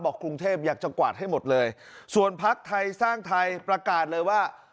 กรุงเทพอยากจะกวาดให้หมดเลยส่วนพักไทยสร้างไทยประกาศเลยว่า